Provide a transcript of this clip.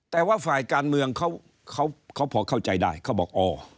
แต่ว่าฝ่ายการเมืองเขาพอเข้าใจได้เขาบอกอ๋อ